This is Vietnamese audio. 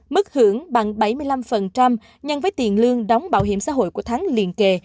mức hưởng bằng bảy mươi năm nhân với tiền lương đóng bảo hiểm xã hội của tháng liên kề